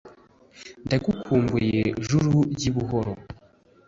Ndagukumbuye juru ryi Buhoro